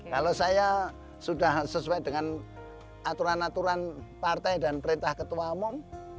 kalau saya sudah sesuai dengan aturan aturan partai dan perintah ketua umum